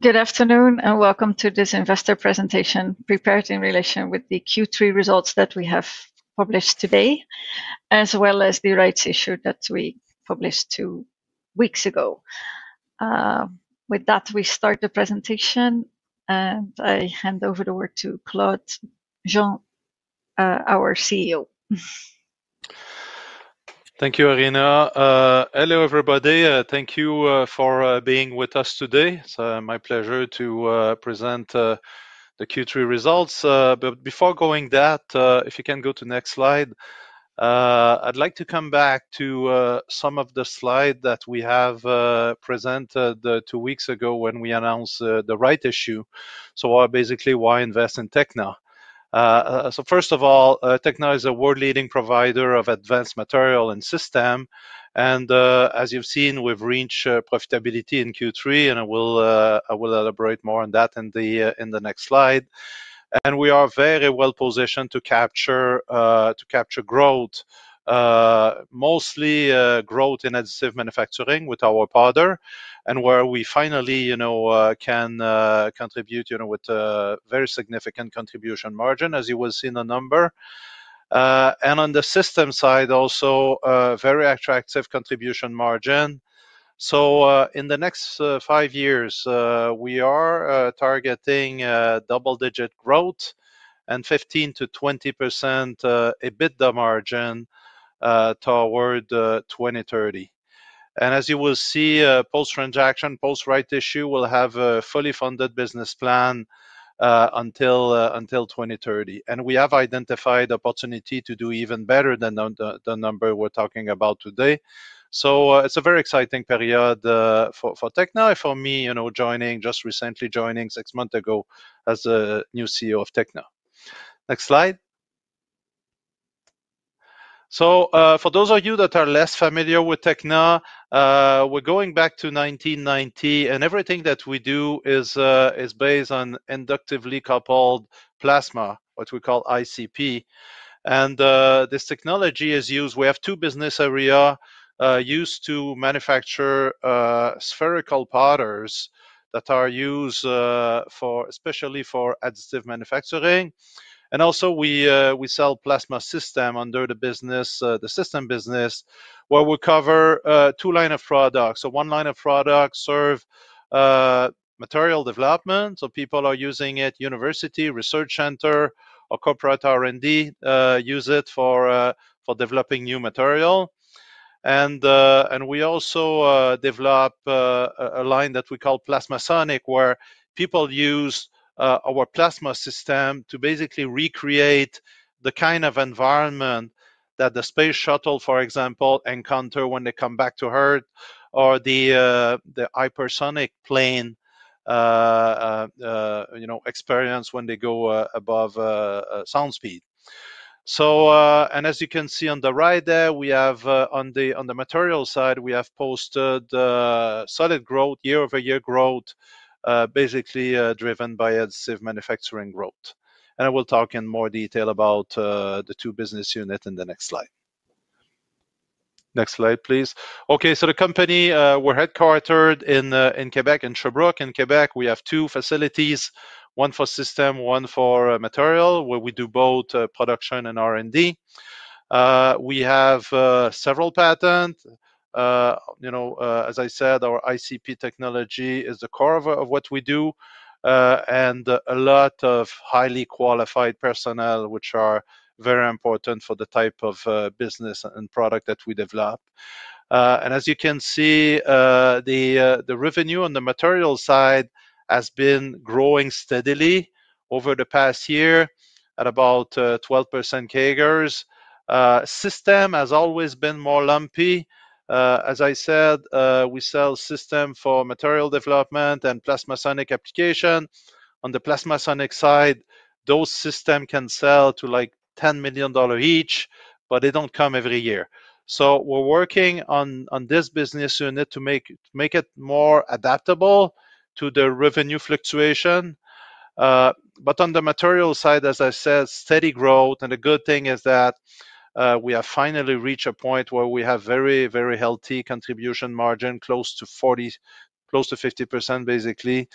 Good afternoon and welcome to this investor presentation prepared in relation with the Q3 results that we have published today, as well as the rights issue that we published two weeks ago. With that, we start the presentation, and I hand over the word to Claude Jean, our CEO. Thank you, Arina. Hello everybody. Thank you for being with us today. It's my pleasure to present the Q3 results. Before going to that, if you can go to the next slide. I'd like to come back to some of the slides that we have presented two weeks ago when we announced the rights issue. Basically, why invest in Tekna? First of all, Tekna is a world-leading provider of advanced materials and systems. As you've seen, we've reached profitability in Q3, and I will elaborate more on that in the next slide. We are very well positioned to capture growth, mostly growth in additive manufacturing with our powder, and where we finally can contribute with a very significant contribution margin, as you will see in the numbers. On the systems side, also a very attractive contribution margin. In the next five years, we are targeting double-digit growth and 15%-20% EBITDA margin toward 2030. As you will see, post-transaction, post-rights issue, we'll have a fully funded business plan until 2030. We have identified the opportunity to do even better than the number we're talking about today. It is a very exciting period for Tekna and for me, joining just recently, joining six months ago as the new CEO of Tekna. Next slide. For those of you that are less familiar with Tekna, we're going back to 1990, and everything that we do is based on inductively coupled plasma, what we call ICP. This technology is used, we have two business areas, used to manufacture spherical powders that are used especially for additive manufacturing. We also sell plasma systems under the system business, where we cover two lines of products. One line of products serves material development. People are using it at university, research center, or corporate R&D use it for developing new material. We also develop a line that we call PlasmaSonic, where people use our plasma system to basically recreate the kind of environment that the space shuttle, for example, encounters when they come back to Earth, or the hypersonic plane experience when they go above sound speed. As you can see on the right there, on the material side, we have posted solid growth, year-over-year growth, basically driven by additive manufacturing growth. I will talk in more detail about the two business units in the next slide. Next slide, please. The company, we're headquartered in Quebec, in Sherbrooke. In Quebec, we have two facilities, one for systems, one for materials, where we do both production and R&D. We have several patents. As I said, our ICP technology is the core of what we do. A lot of highly qualified personnel, which are very important for the type of business and product that we develop. As you can see, the revenue on the material side has been growing steadily over the past year at about 12% CAGR. Systems has always been more lumpy. As I said, we sell systems for material development and PlasmaSonic application. On the PlasmaSonic side, those systems can sell to like 10 million dollars each, but they do not come every year. We are working on this business unit to make it more adaptable to the revenue fluctuation. On the material side, as I said, steady growth. The good thing is that we have finally reached a point where we have very, very healthy contribution margin, close to 50%, basically.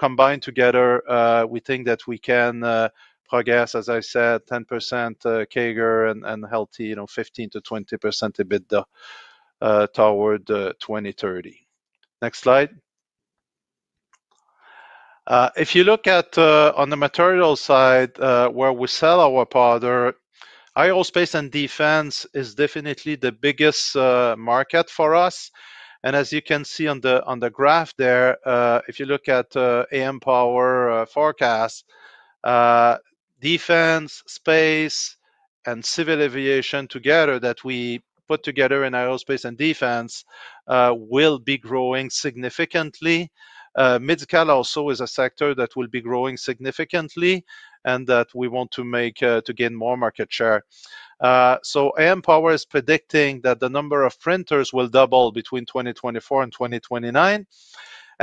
Combined together, we think that we can progress, as I said, 10% CAGR and healthy, 15%-20% EBITDA toward 2030. Next slide. If you look at on the material side where we sell our powder, aerospace and defense is definitely the biggest market for us. As you can see on the graph there, if you look at AMPOWER forecast, defense, space, and civil aviation together that we put together in aerospace and defense will be growing significantly. Mid-scale also is a sector that will be growing significantly and that we want to make to gain more market share. AMPOWER is predicting that the number of printers will double between 2024 and 2029.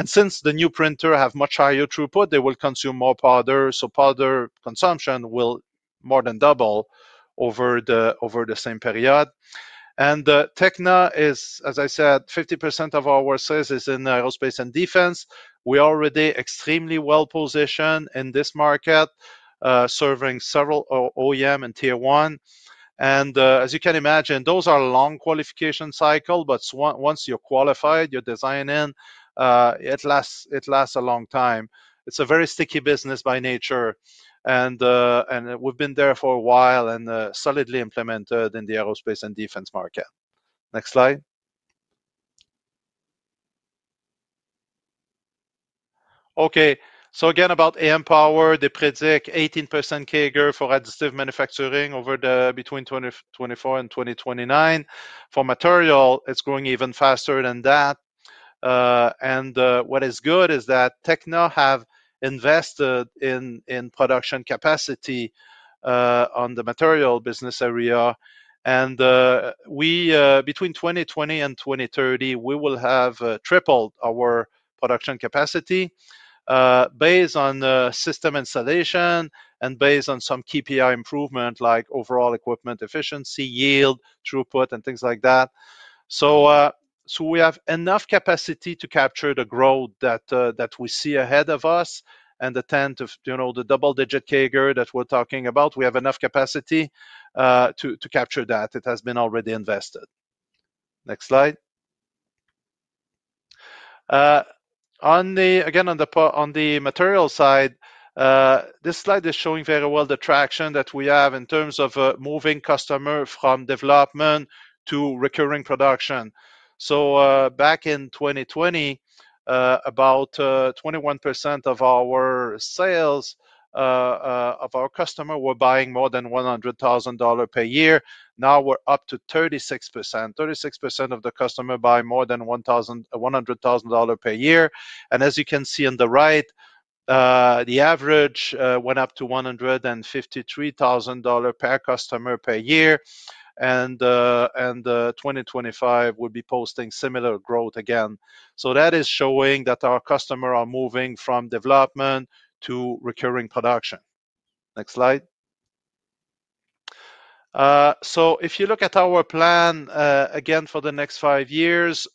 Since the new printers have much higher throughput, they will consume more powder. Powder consumption will more than double over the same period. Tekna is, as I said, 50% of our sales is in aerospace and defense. We are already extremely well positioned in this market, serving several OEMs and Tier 1. As you can imagine, those are long qualification cycles. Once you're qualified, you're designing. It lasts a long time. It's a very sticky business by nature. We've been there for a while and solidly implemented in the aerospace and defense market. Next slide. Again about AMPOWER, they predict 18% CAGR for additive manufacturing between 2024 and 2029. For material, it's growing even faster than that. What is good is that Tekna has invested in production capacity on the material business area. Between 2020 and 2030, we will have tripled our production capacity. Based on system installation and based on some KPI improvement like overall equipment efficiency, yield, throughput, and things like that. We have enough capacity to capture the growth that we see ahead of us and the 10% to double-digit CAGR that we're talking about. We have enough capacity to capture that. It has been already invested. Next slide. Again, on the material side. This slide is showing very well the traction that we have in terms of moving customers from development to recurring production. Back in 2020, about 21% of our sales, of our customers, were buying more than $100,000 per year. Now we're up to 36%. 36% of the customers buy more than $100,000 per year. As you can see on the right, the average went up to $153,000 per customer per year. 2025 will be posting similar growth again. That is showing that our customers are moving from development to recurring production. Next slide. If you look at our plan again for the next five years,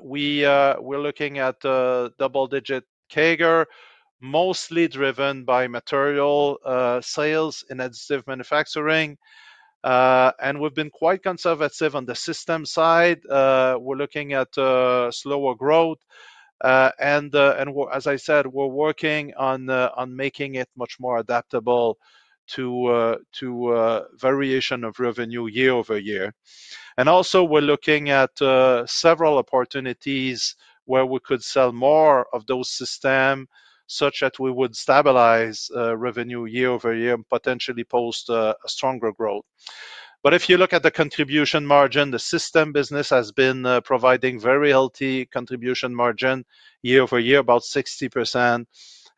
we're looking at double-digit CAGR, mostly driven by material sales in additive manufacturing. We've been quite conservative on the system side. We're looking at slower growth. As I said, we're working on making it much more adaptable to variation of revenue year-over-year. Also, we're looking at several opportunities where we could sell more of those systems such that we would stabilize revenue year-over-year and potentially post a stronger growth. If you look at the contribution margin, the system business has been providing very healthy contribution margin year-over-year, about 60%.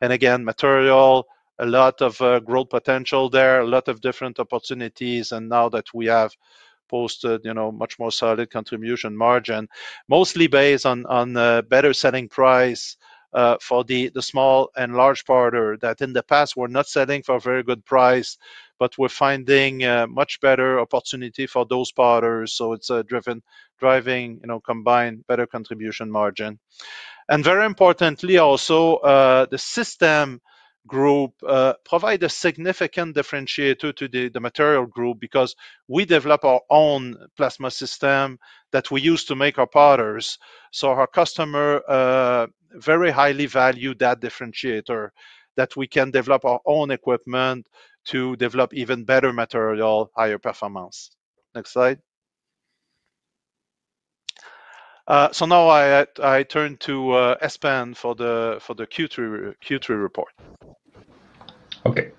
Again, material, a lot of growth potential there, a lot of different opportunities. Now that we have posted much more solid contribution margin, mostly based on better selling price for the small and large powder that in the past were not selling for a very good price, but we are finding much better opportunity for those powders. It is driving combined better contribution margin. Very importantly, also, the system group provides a significant differentiator to the material group because we develop our own plasma system that we use to make our powders. Our customers very highly value that differentiator that we can develop our own equipment to develop even better material, higher performance. Next slide. I turn to Espen for the Q3 report. Okay,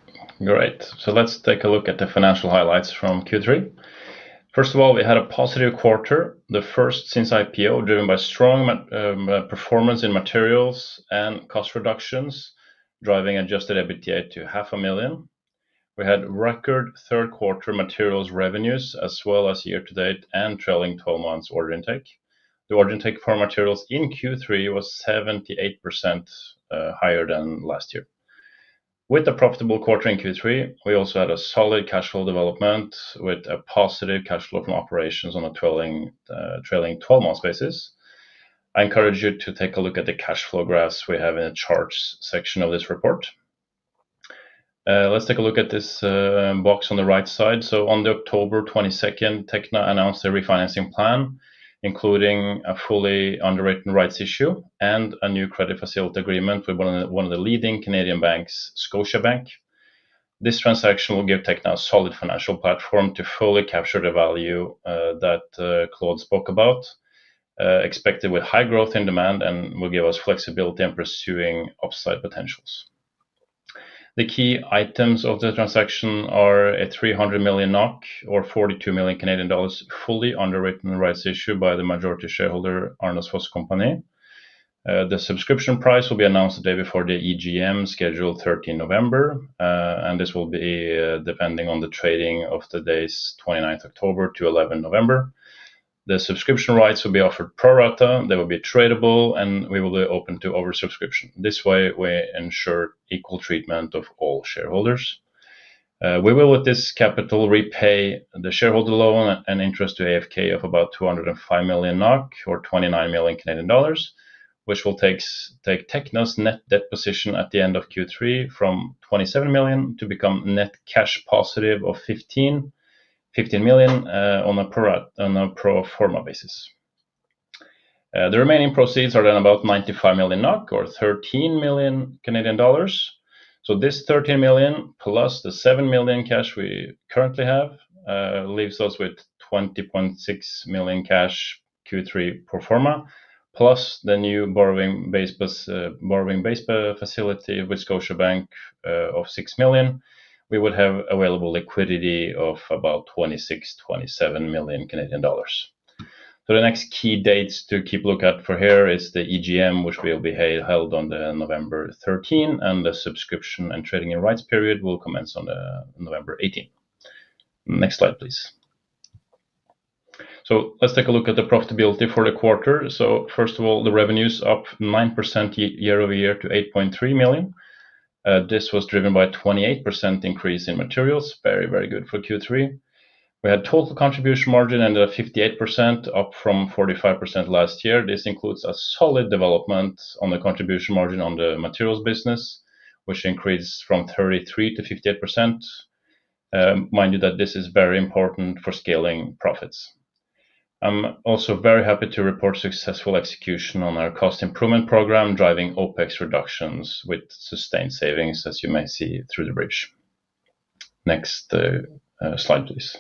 great. Let's take a look at the financial highlights from Q3. First of all, we had a positive quarter, the first since IPO, driven by strong performance in materials and cost reductions, driving adjusted EBITDA to $500,000. We had record third quarter materials revenues as well as year-to-date and trailing 12-months order intake. The order intake for materials in Q3 was 78% higher than last year. With a profitable quarter in Q3, we also had a solid cash flow development with a positive cash flow from operations on a trailing 12-months basis. I encourage you to take a look at the cash flow graphs we have in the charts section of this report. Let's take a look at this box on the right side. On October 22nd, Tekna announced a refinancing plan, including a fully underwritten rights issue and a new credit facility agreement with one of the leading Canadian banks, Scotiabank. This transaction will give Tekna a solid financial platform to fully capture the value that Claude spoke about. Expected with high growth in demand and will give us flexibility in pursuing upside potentials. The key items of the transaction are a 300 million NOK or 42 million Canadian dollars fully underwritten rights issue by the majority shareholder, Arna S. Voss company. The subscription price will be announced the day before the EGM, scheduled 13 November. This will be depending on the trading of today’s 29th October to 11 November. The subscription rights will be offered pro rata. They will be tradable, and we will be open to oversubscription. This way, we ensure equal treatment of all shareholders. We will, with this capital, repay the shareholder loan and interest to AFK of about 205 million NOK or 29 million Canadian dollars, which will take Tekna's net debt position at the end of Q3 from 27 million to become net cash positive of 15 million on a pro forma basis. The remaining proceeds are then about 95 million NOK or 13 million Canadian dollars. This 13 million plus the 7 million cash we currently have leaves us with 20.6 million cash Q3 pro forma, plus the new borrowing base facility with Scotiabank of 6 million. We would have available liquidity of about 26 million-27 million Canadian dollars. The next key dates to keep a look at for here is the EGM, which will be held on November 13, and the subscription and trading rights period will commence on November 18. Next slide, please. Let's take a look at the profitability for the quarter. First of all, the revenues are up 9% year-over-year to 8.3 million. This was driven by a 28% increase in materials. Very, very good for Q3. We had total contribution margin ended at 58%, up from 45% last year. This includes a solid development on the contribution margin on the materials business, which increased from 33% to 58%. Mind you that this is very important for scaling profits. I'm also very happy to report successful execution on our cost improvement program, driving OpEx reductions with sustained savings, as you may see through the bridge. Next slide, please.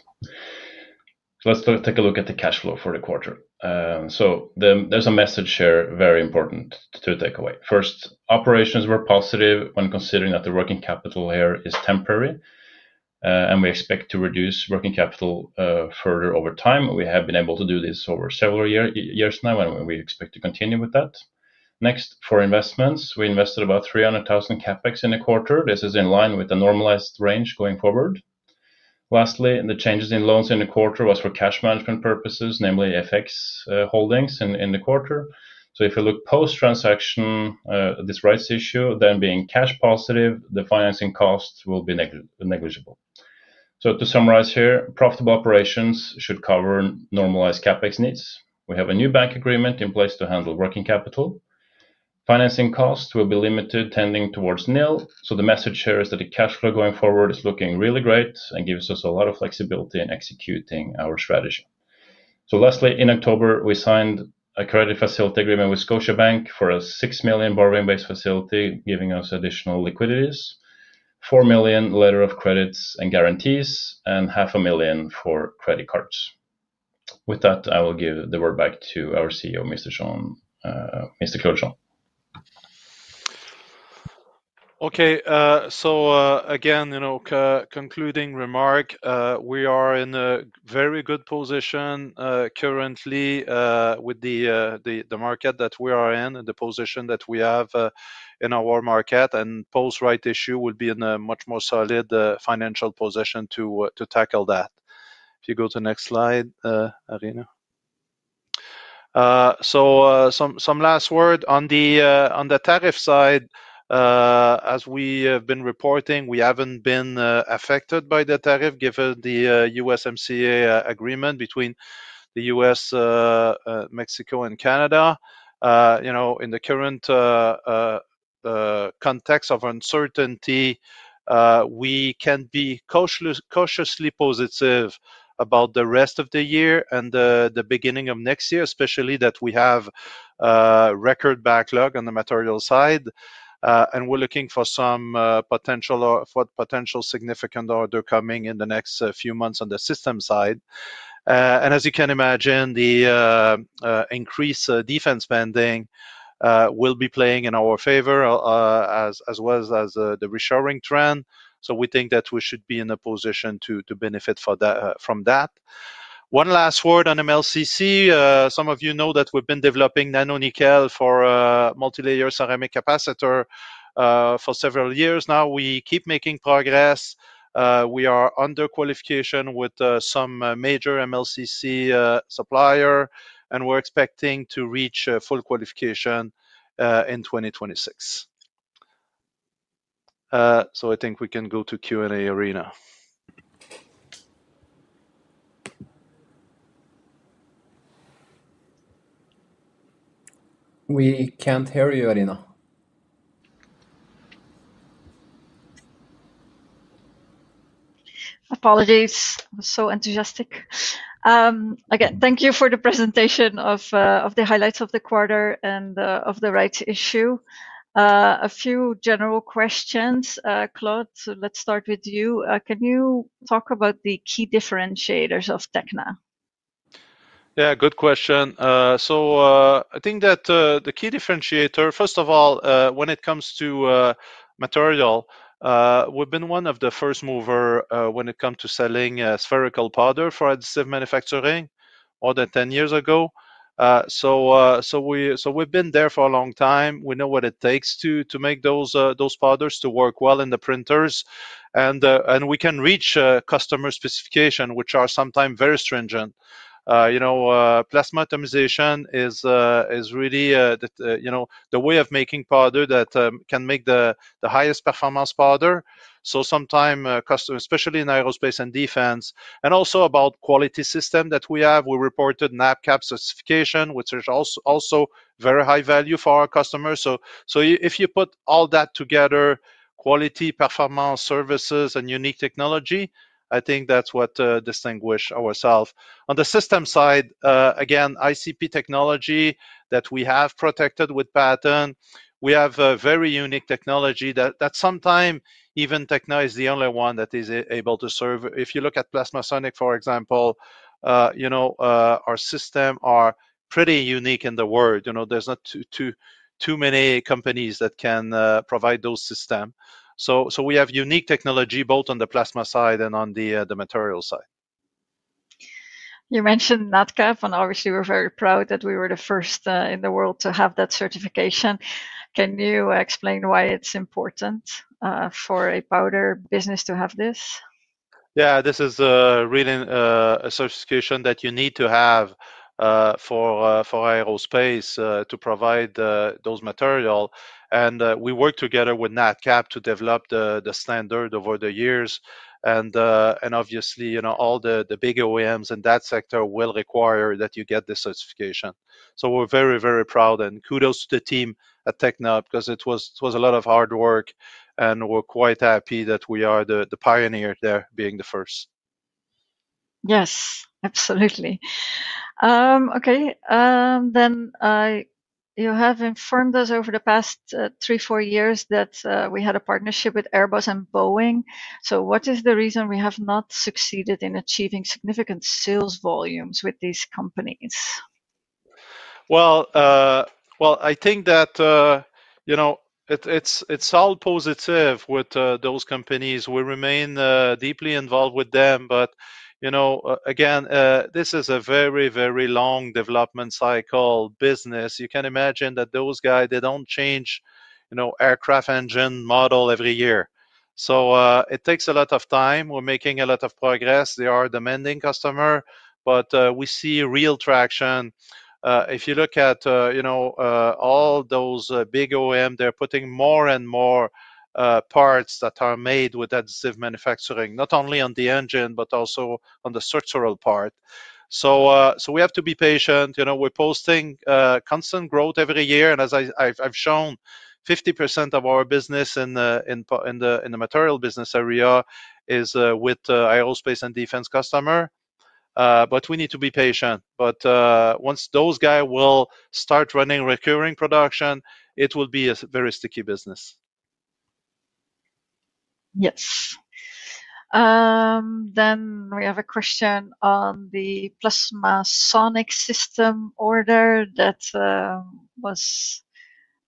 Let's take a look at the cash flow for the quarter. There's a message here very important to take away. First, operations were positive when considering that the working capital here is temporary. We expect to reduce working capital further over time. We have been able to do this over several years now, and we expect to continue with that. Next, for investments, we invested about 300,000 CapEx in the quarter. This is in line with the normalized range going forward. Lastly, the changes in loans in the quarter were for cash management purposes, namely FX holdings in the quarter. If you look post-transaction, this rights issue, then being cash positive, the financing costs will be negligible. To summarize here, profitable operations should cover normalized CapEx needs. We have a new bank agreement in place to handle working capital. Financing costs will be limited, tending towards nil. The message here is that the cash flow going forward is looking really great and gives us a lot of flexibility in executing our strategy. Lastly, in October, we signed a credit facility agreement with Scotiabank for a 6 million borrowing-based facility, giving us additional liquidities, 4 million letters of credits and guarantees, and 500,000 for credit cards. With that, I will give the word back to our CEO, Mr. Claude Jean. Okay, so again, concluding remark, we are in a very good position. Currently with the market that we are in, the position that we have in our market and post-rights issue will be in a much more solid financial position to tackle that. If you go to the next slide, Arina. Some last word on the tariff side. As we have been reporting, we have not been affected by the tariff given the USMCA agreement between the U.S., Mexico, and Canada. In the current context of uncertainty, we can be cautiously positive about the rest of the year and the beginning of next year, especially that we have record backlog on the material side. We are looking for some potential significant order coming in the next few months on the system side. As you can imagine, the. Increased defense spending will be playing in our favor as well as the reshoring trend. We think that we should be in a position to benefit from that. One last word on MLCC. Some of you know that we've been developing nanonickel for a multi-layer ceramic capacitor for several years now. We keep making progress. We are under qualification with some major MLCC supplier, and we're expecting to reach full qualification in 2026. I think we can go to Q&A, Arina. We can't hear you, Arina. Apologies. I was so enthusiastic. Again, thank you for the presentation of the highlights of the quarter and of the rights issue. A few general questions. Claude, so let's start with you. Can you talk about the key differentiators of Tekna? Yeah, good question. I think that the key differentiator, first of all, when it comes to material, we've been one of the first movers when it comes to selling spherical powder for additive manufacturing more than 10 years ago. We've been there for a long time. We know what it takes to make those powders work well in the printers. We can reach customer specifications, which are sometimes very stringent. Plasma atomization is really the way of making powder that can make the highest performance powder. Sometimes, especially in aerospace and defense, and also about quality systems that we have, we reported NADCAP certification, which is also very high value for our customers. If you put all that together, quality, performance, services, and unique technology, I think that's what distinguishes ourselves. On the system side, again, ICP technology that we have protected with patent. We have a very unique technology that sometimes even Tekna is the only one that is able to serve. If you look at PlasmaSonic, for example. Our systems are pretty unique in the world. There are not too many companies that can provide those systems. We have unique technology both on the plasma side and on the material side. You mentioned NADCAP, and obviously, we're very proud that we were the first in the world to have that certification. Can you explain why it's important for a powder business to have this? Yeah, this is really a certification that you need to have. For aerospace to provide those materials. We worked together with NADCAP to develop the standard over the years. Obviously, all the big OEMs in that sector will require that you get this certification. We are very, very proud, and kudos to the team at Tekna because it was a lot of hard work. We are quite happy that we are the pioneers there being the first. Yes, absolutely. Okay. You have informed us over the past three, four years that we had a partnership with Airbus and Boeing. What is the reason we have not succeeded in achieving significant sales volumes with these companies? I think that it's all positive with those companies. We remain deeply involved with them. Again, this is a very, very long development cycle business. You can imagine that those guys, they don't change aircraft engine model every year. It takes a lot of time. We're making a lot of progress. They are demanding customers, but we see real traction. If you look at all those big OEMs, they're putting more and more parts that are made with additive manufacturing, not only on the engine, but also on the structural part. We have to be patient. We're posting constant growth every year. As I've shown, 50% of our business in the material business area is with aerospace and defense customers. We need to be patient. Once those guys start running recurring production, it will be a very sticky business. Yes. We have a question on the PlasmaSonic system order that was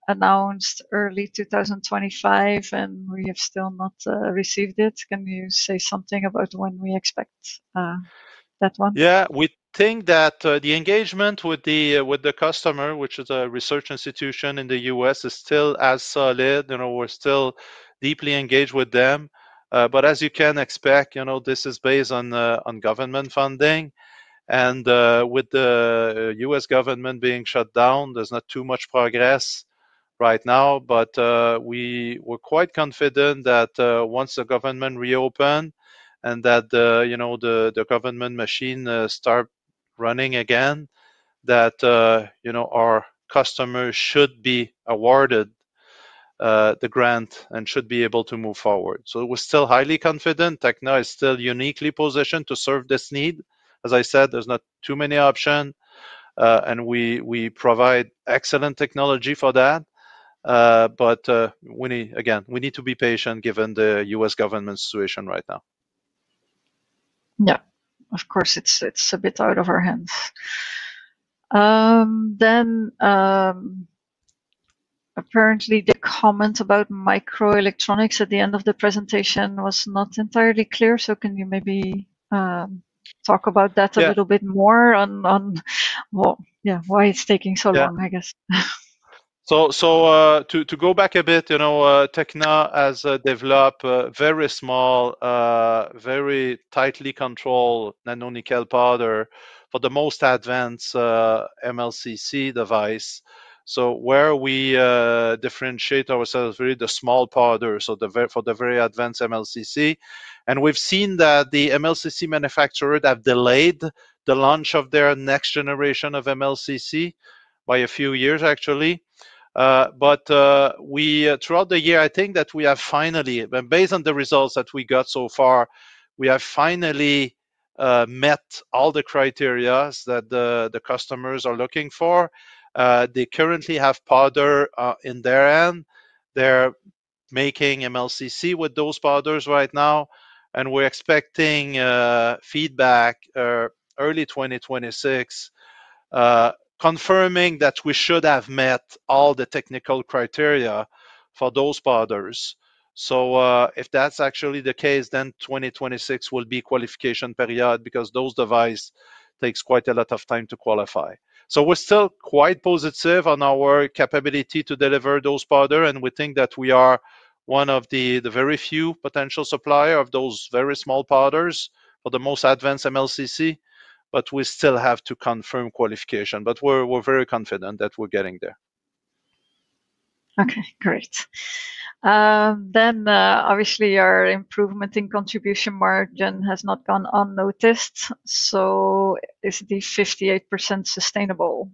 announced early 2025, and we have still not received it. Can you say something about when we expect that one? Yeah, we think that the engagement with the customer, which is a research institution in the U.S., is still as solid. We're still deeply engaged with them. As you can expect, this is based on government funding. With the U.S. government being shut down, there's not too much progress right now. We're quite confident that once the government reopens and the government machine starts running again, our customer should be awarded the grant and should be able to move forward. We're still highly confident. Tekna is still uniquely positioned to serve this need. As I said, there's not too many options, and we provide excellent technology for that. Again, we need to be patient given the U.S. government situation right now. Yeah, of course, it's a bit out of our hands. Apparently, the comment about microelectronics at the end of the presentation was not entirely clear. Can you maybe talk about that a little bit more on why it's taking so long, I guess? To go back a bit, Tekna has developed very small, very tightly controlled nano-nickel powder for the most advanced MLCC device. Where we differentiate ourselves is really the small powder, for the very advanced MLCC. We've seen that the MLCC manufacturers have delayed the launch of their next generation of MLCC by a few years, actually. Throughout the year, I think that we have finally, based on the results that we got so far, we have finally met all the criteria that the customers are looking for. They currently have powder in their hand. They're making MLCC with those powders right now. We're expecting feedback early 2026, confirming that we should have met all the technical criteria for those powders. If that's actually the case, then 2026 will be a qualification period because those devices take quite a lot of time to qualify. We're still quite positive on our capability to deliver those powders. We think that we are one of the very few potential suppliers of those very small powders for the most advanced MLCC. We still have to confirm qualification. We're very confident that we're getting there. Okay, great. Obviously, your improvement in contribution margin has not gone unnoticed. Is the 58% sustainable?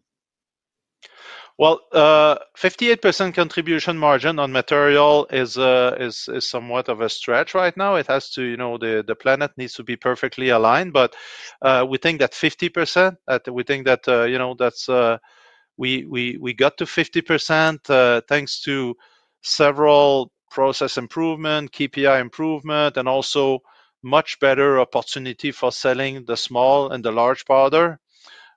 Fifty-eight percent contribution margin on material is somewhat of a stretch right now. It has to, the planet needs to be perfectly aligned. We think that 50%, we think that we got to 50% thanks to several process improvements, KPI improvements, and also much better opportunities for selling the small and the large powder.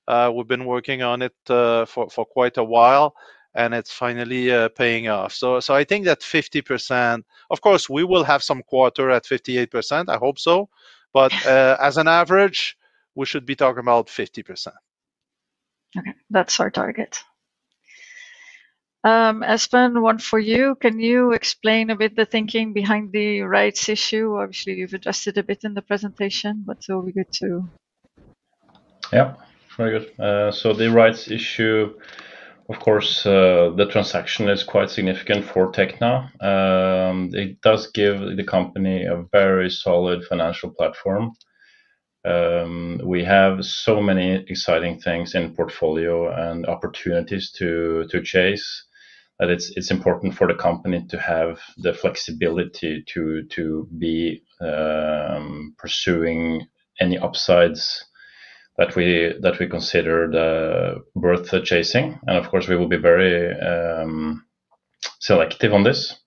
We've been working on it for quite a while, and it's finally paying off. I think that 50%, of course, we will have some quarter at 58%. I hope so. As an average, we should be talking about 50%. Okay, that's our target. Espen, one for you. Can you explain a bit the thinking behind the rights issue? Obviously, you've addressed it a bit in the presentation, but it will be good to. Yep, very good. The rights issue, of course, the transaction is quite significant for Tekna. It does give the company a very solid financial platform. We have so many exciting things in portfolio and opportunities to chase. It's important for the company to have the flexibility to be pursuing any upsides that we consider worth chasing. Of course, we will be very selective on this.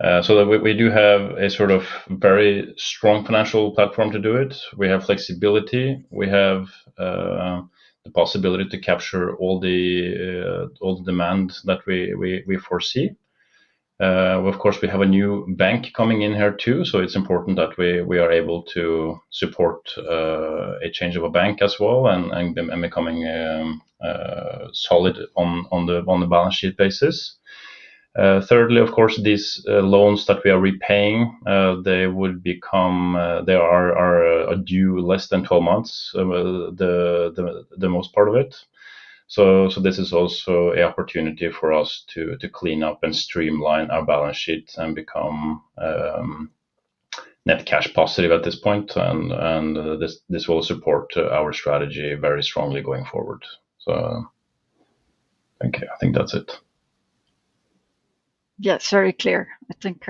We do have a very strong financial platform to do it. We have flexibility. We have the possibility to capture all the demands that we foresee. Of course, we have a new bank coming in here too. It's important that we are able to support a change of a bank as well and becoming solid on the balance sheet basis. Thirdly, of course, these loans that we are repaying, they would become, they are due less than 12 months. The most part of it. This is also an opportunity for us to clean up and streamline our balance sheet and become net cash positive at this point. This will support our strategy very strongly going forward. I think that's it. Yes, very clear. I think.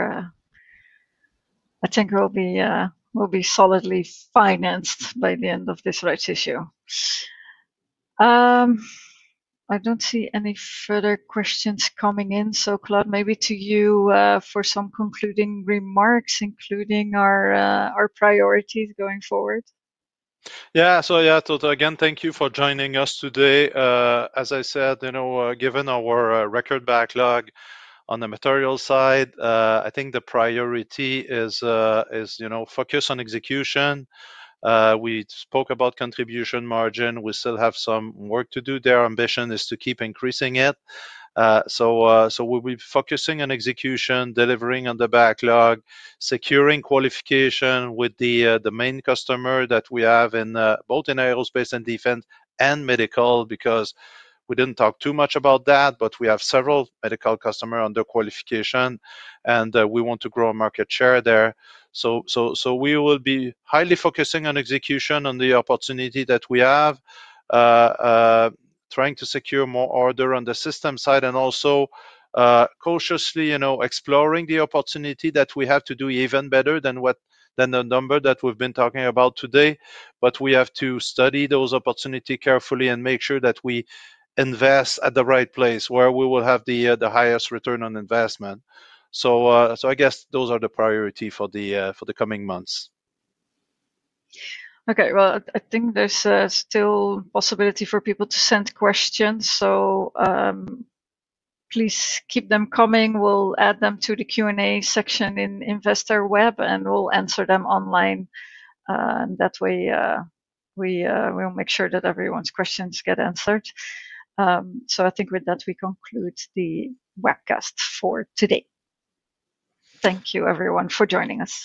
We'll be solidly financed by the end of this rights issue. I don't see any further questions coming in. Claude, maybe to you for some concluding remarks, including our priorities going forward. Yeah, so yeah, again, thank you for joining us today. As I said, given our record backlog on the material side, I think the priority is focus on execution. We spoke about contribution margin. We still have some work to do there. Ambition is to keep increasing it. We will be focusing on execution, delivering on the backlog, securing qualification with the main customer that we have both in aerospace and defense and medical, because we did not talk too much about that, but we have several medical customers under qualification, and we want to grow market share there. We will be highly focusing on execution, on the opportunity that we have. Trying to secure more order on the system side and also cautiously exploring the opportunity that we have to do even better than the number that we have been talking about today. We have to study those opportunities carefully and make sure that we invest at the right place where we will have the highest return on investment. I guess those are the priorities for the coming months. Okay, I think there's still possibility for people to send questions. Please keep them coming. We'll add them to the Q&A section in Investor Web, and we'll answer them online. That way, we'll make sure that everyone's questions get answered. I think with that, we conclude the webcast for today. Thank you, everyone, for joining us.